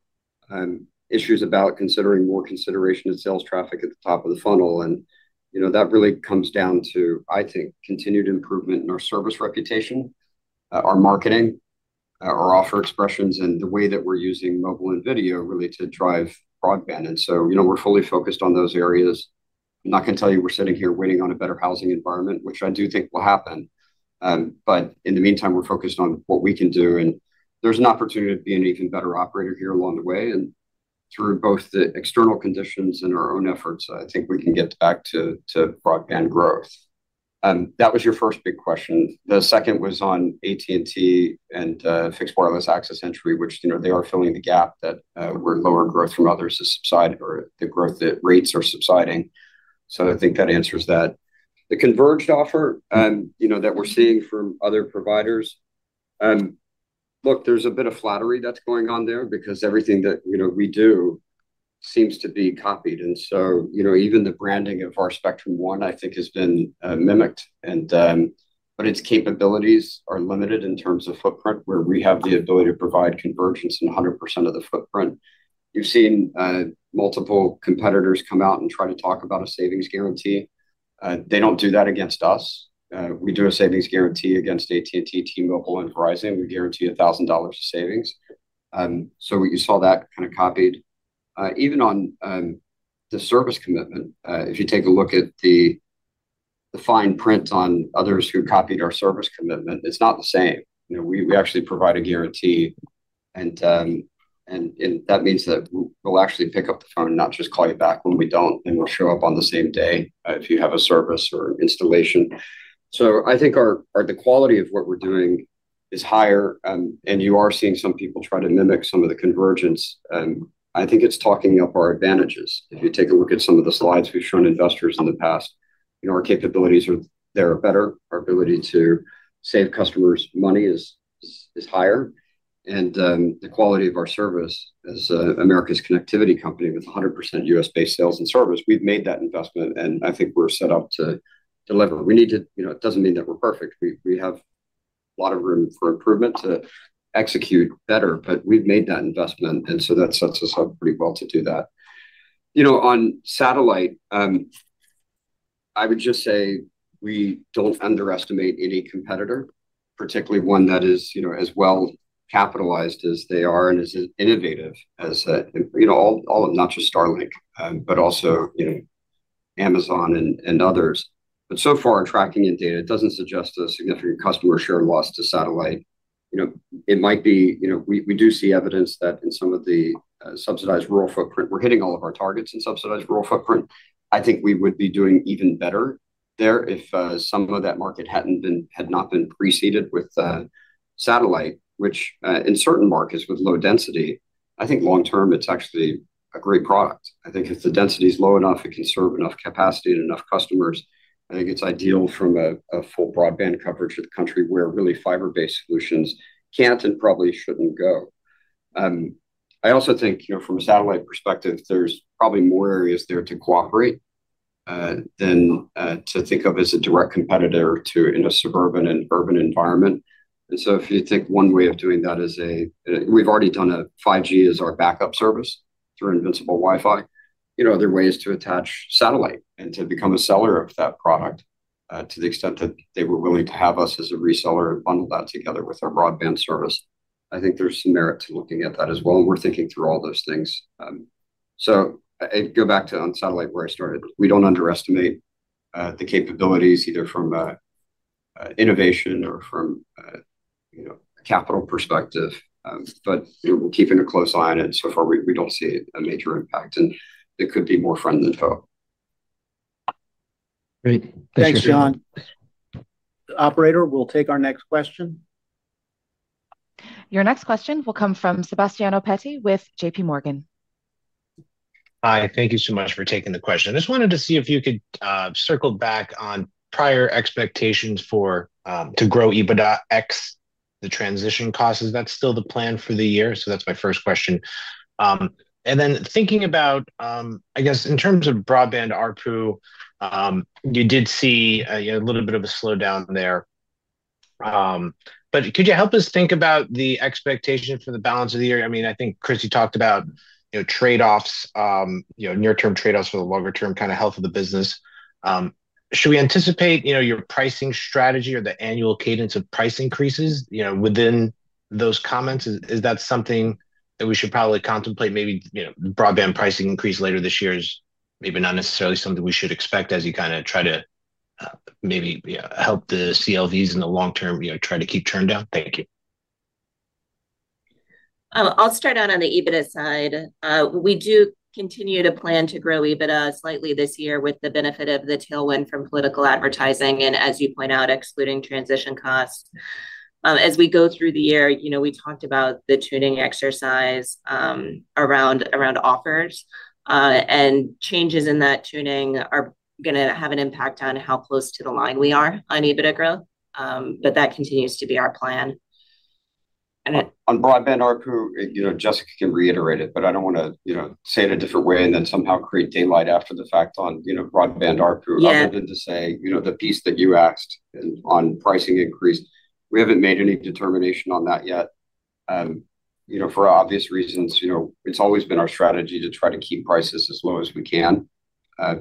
C: Issues about considering more consideration and sales traffic at the top of the funnel, and that really comes down to, I think, continued improvement in our service reputation, our marketing, our offer expressions, and the way that we're using mobile and video really to drive broadband. We're fully focused on those areas. I'm not going to tell you we're sitting here waiting on a better housing environment, which I do think will happen. In the meantime, we're focused on what we can do, and there's an opportunity to be an even better operator here along the way. Through both the external conditions and our own efforts, I think we can get back to broadband growth. That was your first big question. The second was on AT&T and fixed wireless access entry, which they are filling the gap where lower growth from others has subsided or the growth rates are subsiding. I think that answers that. The converged offer that we're seeing from other providers, look, there's a bit of flattery that's going on there because everything that we do seems to be copied. Even the branding of our Spectrum One, I think, has been mimicked, but its capabilities are limited in terms of footprint, where we have the ability to provide convergence in 100% of the footprint. You're seeing multiple competitors come out and try to talk about a savings guarantee. They don't do that against us. We do a savings guarantee against AT&T-Mobile, and Verizon. We guarantee $1,000 of savings. You saw that kind of copied, even on the service commitment. If you take a look at the fine print on others who copied our service commitment, it's not the same. We actually provide a guarantee, and that means that we'll actually pick up the phone and not just call you back when we don't, and we'll show up on the same day if you have a service or installation. I think the quality of what we're doing is higher, and you are seeing some people try to mimic some of the convergence. I think it's talking up our advantages. If you take a look at some of the slides we've shown investors in the past, our capabilities there are better. Our ability to save customers money is higher, and the quality of our service as America's connectivity company with 100% U.S.-based sales and service, we've made that investment, and I think we're set up to deliver. It doesn't mean that we're perfect. We have a lot of room for improvement to execute better, but we've made that investment, and so that sets us up pretty well to do that. On satellite, I would just say we don't underestimate any competitor, particularly one that is as well-capitalized as they are and as innovative as not just Starlink, but also Amazon and others. So far, our tracking and data doesn't suggest a significant customer share loss to satellite. We do see evidence that in some of the subsidized rural footprint, we're hitting all of our targets in subsidized rural footprint. I think we would be doing even better there if some of that market had not been pre-seeded with satellite, which in certain markets with low density, I think long term, it's actually a great product. I think if the density is low enough, it can serve enough capacity to enough customers. I think it's ideal from a full broadband coverage of the country where really fiber-based solutions can't and probably shouldn't go. I also think from a satellite perspective, there's probably more areas there to cooperate than to think of as a direct competitor to in a suburban and urban environment. If you think one way of doing that is. We've already done a 5G as our backup service through Invincible WiFi. There are ways to attach satellite and to become a seller of that product, to the extent that they were willing to have us as a reseller and bundle that together with our broadband service. I think there's some merit to looking at that as well, and we're thinking through all those things. Go back to on satellite, where I started. We don't underestimate the capabilities, either from an innovation or from a capital perspective, but we're keeping a close eye on it. So far, we don't see a major impact, and it could be more friend than foe.
H: Great. Thanks.
B: Thanks, John. Operator, we'll take our next question.
A: Your next question will come from Sebastiano Petti with JPMorgan.
I: Hi. Thank you so much for taking the question. I just wanted to see if you could circle back on prior expectations to grow EBITDA ex the transition cost. Is that still the plan for the year? That's my first question. Then thinking about, I guess, in terms of broadband ARPU, you did see a little bit of a slowdown there. Could you help us think about the expectation for the balance of the year? I think, Chris, you talked about near-term trade-offs for the longer-term kind of health of the business. Should we anticipate your pricing strategy or the annual cadence of price increases within those comments? Is that something that we should probably contemplate? Maybe broadband pricing increase later this year is maybe not necessarily something we should expect as you try to maybe help the CLVs in the long term, try to keep churn down. Thank you.
D: I'll start out on the EBITDA side. We do continue to plan to grow EBITDA slightly this year with the benefit of the tailwind from political advertising and, as you point out, excluding transition costs. As we go through the year, we talked about the tuning exercise around offers, and changes in that tuning are going to have an impact on how close to the line we are on EBITDA growth, but that continues to be our plan.
C: On broadband ARPU, Jessica can reiterate it, but I don't want to say it a different way and then somehow create daylight after the fact on broadband ARPU.
D: Yeah.
C: Other than to say, the piece that you asked on pricing increase, we haven't made any determination on that yet. For obvious reasons, it's always been our strategy to try to keep prices as low as we can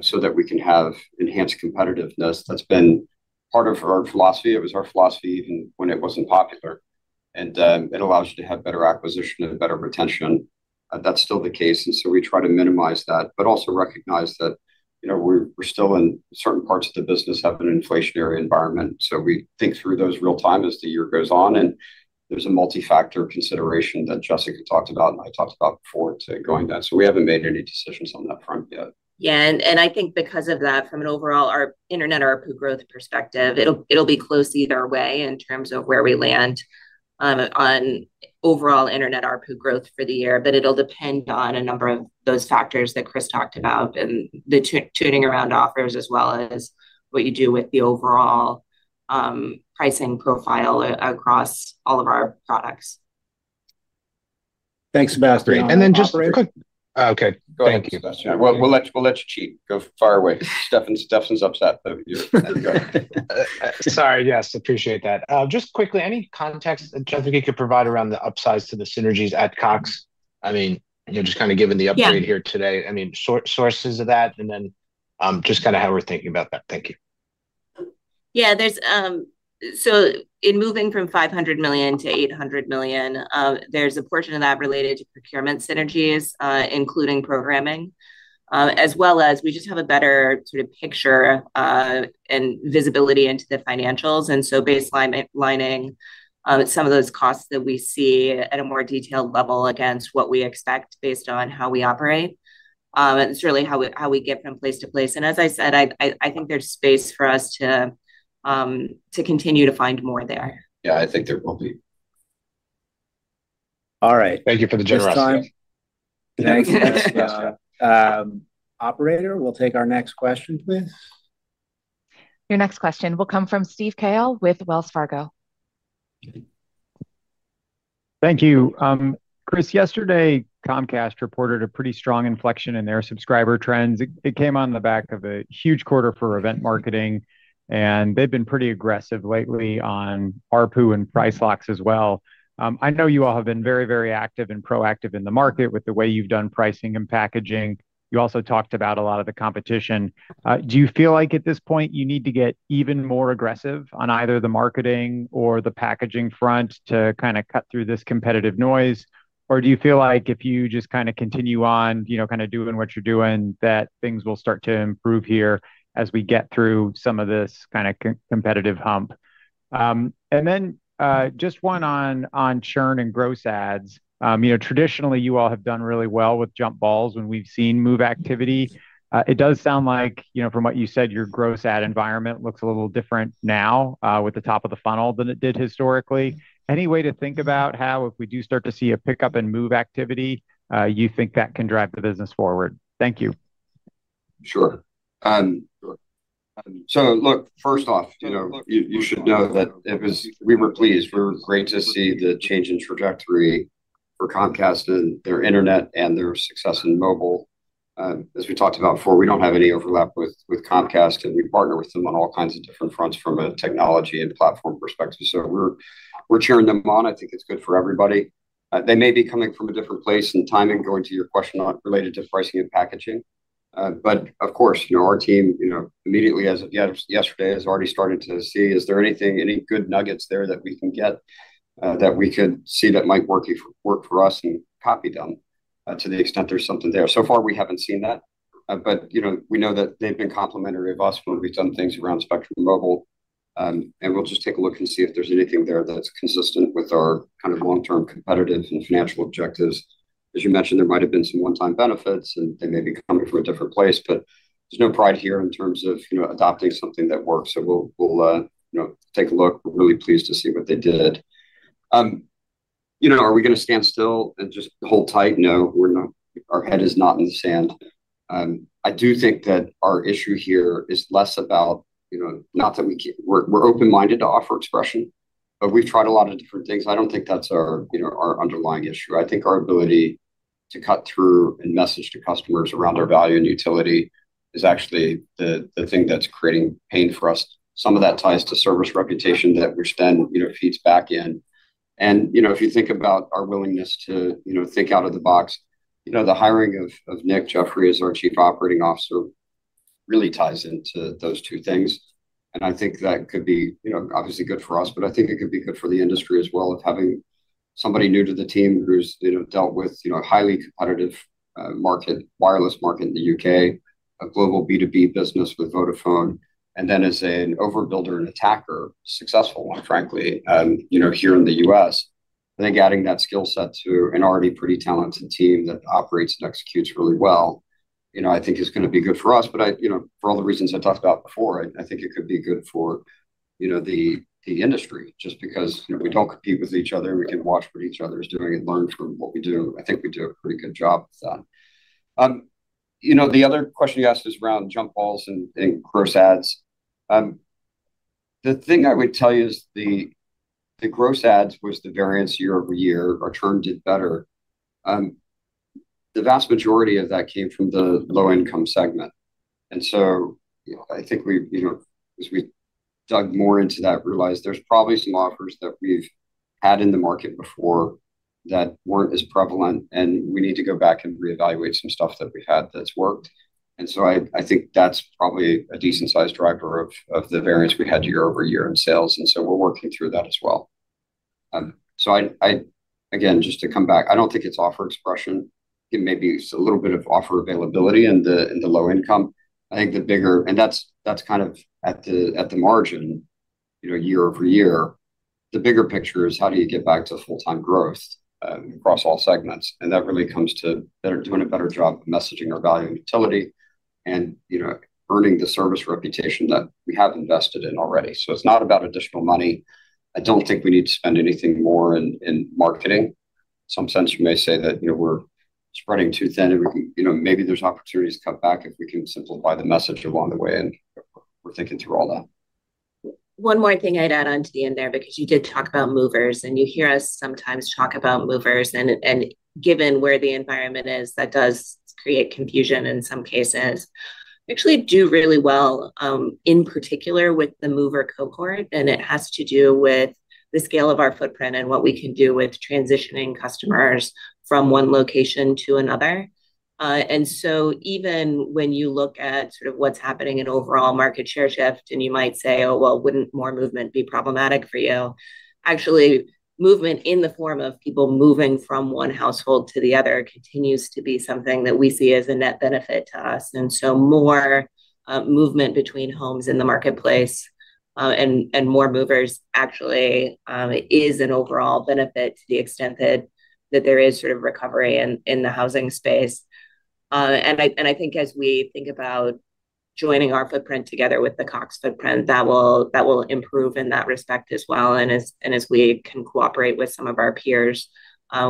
C: so that we can have enhanced competitiveness. That's been part of our philosophy. It was our philosophy even when it wasn't popular. It allows you to have better acquisition and better retention. That's still the case, and so we try to minimize that, but also recognize that we're still in certain parts of the business that have an inflationary environment. We think through those real-time as the year goes on, and there's a multi-factor consideration that Jessica talked about and I talked about before going down. We haven't made any decisions on that front yet.
D: Yeah, I think because of that, from an overall Internet ARPU growth perspective, it'll be close either way in terms of where we land on overall Internet ARPU growth for the year. It'll depend on a number of those factors that Chris talked about and the tuning around offers, as well as what you do with the overall pricing profile across all of our products.
B: Thanks, Sebastiano.
I: And then just- Okay. Thank you.
C: We'll let you cheat. Go far away. Stefan's upset that you.
I: Sorry. Yes, appreciate that. Just quickly, any context, Jessica, you could provide around the upsides to the synergies at Cox? I mean, just kind of given the upgrade-
D: Yeah....
I: here today, sources of that, and then just kind of how we're thinking about that. Thank you.
D: Yeah. In moving from $500 million to $800 million, there's a portion of that related to procurement synergies, including programming. As well as we just have a better sort of picture, and visibility into the financials, and so baselining some of those costs that we see at a more detailed level against what we expect based on how we operate. It's really how we get from place to place. As I said, I think there's space for us to continue to find more there.
C: Yeah. I think there will be.
B: All right.
I: Thank you for the generosity.
B: Thanks. Operator, we'll take our next question, please.
A: Your next question will come from Steven Cahall with Wells Fargo.
J: Thank you. Chris, yesterday Comcast reported a pretty strong inflection in their subscriber trends. It came on the back of a huge quarter for event marketing, and they've been pretty aggressive lately on ARPU and price locks as well. I know you all have been very, very active and proactive in the market with the way you've done pricing and packaging. You also talked about a lot of the competition. Do you feel like at this point you need to get even more aggressive on either the marketing or the packaging front to kind of cut through this competitive noise? Or do you feel like if you just kind of continue on, kind of doing what you're doing, that things will start to improve here as we get through some of this kind of competitive hump? Just one on churn and gross adds. Traditionally, you all have done really well with jump balls when we've seen move activity. It does sound like, from what you said, your gross add environment looks a little different now, with the top of the funnel than it did historically. Any way to think about how, if we do start to see a pickup in move activity, you think that can drive the business forward? Thank you.
C: Sure. Look, first off, you should know that we were pleased. We were glad to see the change in trajectory for Comcast and their Internet and their success in mobile. As we talked about before, we don't have any overlap with Comcast, and we partner with them on all kinds of different fronts from a technology and platform perspective. We're cheering them on. I think it's good for everybody. They may be coming from a different place and timing, going to your question related to pricing and packaging. Of course, our team immediately as of yesterday has already started to see, is there any good nuggets there that we can get, that we could see that might work for us and copy them, to the extent there's something there. So far, we haven't seen that. We know that they've been complimentary of us when we've done things around Spectrum Mobile, and we'll just take a look and see if there's anything there that's consistent with our kind of long-term competitive and financial objectives. As you mentioned, there might have been some one-time benefits, and they may be coming from a different place, but there's no pride here in terms of adopting something that works. We'll take a look. We're really pleased to see what they did. Are we going to stand still and just hold tight? No, we're not. Our head is not in the sand. I do think that our issue here is less about. We're open-minded to offer expansion, but we've tried a lot of different things. I don't think that's our underlying issue. I think our ability to cut through and message to customers around our value and utility is actually the thing that's creating pain for us. Some of that ties to service reputation that we spend, feeds back in. If you think about our willingness to think out of the box, the hiring of Nick Jeffery as our Chief Operating Officer really ties into those two things, and I think that could be obviously good for us, but I think it could be good for the industry as well of having somebody new to the team who's dealt with a highly competitive wireless market in the U.K., a global B2B business with Vodafone. As an overbuilder and attacker, successful one, frankly, here in the U.S. I think adding that skill set to an already pretty talented team that operates and executes really well, I think is going to be good for us. For all the reasons I talked about before, I think it could be good for the industry just because we don't compete with each other, and we can watch what each other is doing and learn from what we do. I think we do a pretty good job with that. The other question you asked is around jump balls and gross adds. The thing I would tell you is the gross adds was the variance year-over-year. Our churn did better. The vast majority of that came from the low-income segment. I think as we dug more into that, realized there's probably some offers that we've had in the market before that weren't as prevalent, and we need to go back and reevaluate some stuff that we had that's worked. I think that's probably a decent size driver of the variance we had year-over-year in sales, and so we're working through that as well. Again, just to come back, I don't think it's offer expression. It may be a little bit of offer availability in the low income. That's kind of at the margin year-over-year. The bigger picture is how do you get back to full-time growth, across all segments? That really comes to doing a better job of messaging our value and utility and earning the service reputation that we have invested in already. It's not about additional money. I don't think we need to spend anything more in marketing. In some sense, you may say that we're spreading too thin and maybe there's opportunities to cut back if we can simplify the message along the way, and we're thinking through all that.
D: One more thing I'd add onto the end there, because you did talk about movers, and you hear us sometimes talk about movers, and given where the environment is, that does create confusion in some cases. We actually do really well, in particular with the mover cohort, and it has to do with the scale of our footprint and what we can do with transitioning customers from one location to another. Even when you look at sort of what's happening in overall market share shift, and you might say, "Oh, well, wouldn't more movement be problematic for you?" Actually, movement in the form of people moving from one household to the other continues to be something that we see as a net benefit to us, and so more movement between homes in the marketplace, and more movers actually is an overall benefit to the extent that there is sort of recovery in the housing space. I think as we think about joining our footprint together with the Cox footprint, that will improve in that respect as well, and as we can cooperate with some of our peers.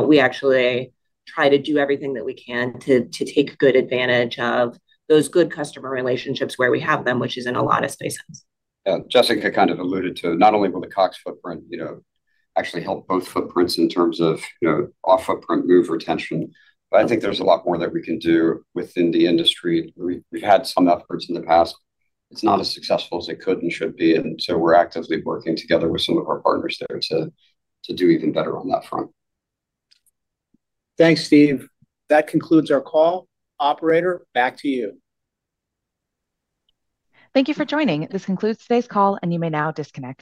D: We actually try to do everything that we can to take good advantage of those good customer relationships where we have them, which is in a lot of spaces.
C: Yeah. Jessica kind of alluded to not only will the Cox footprint actually help both footprints in terms of off-footprint move retention, but I think there's a lot more that we can do within the industry. We've had some efforts in the past. It's not as successful as it could and should be. We're actively working together with some of our partners there to do even better on that front.
B: Thanks, Steve. That concludes our call. Operator, back to you.
A: Thank you for joining. This concludes today's call, and you may now disconnect.